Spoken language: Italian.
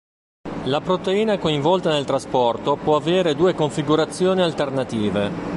La proteina coinvolta nel trasporto può avere due configurazioni alternative.